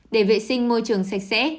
để vệ sinh môi trường sạch sẽ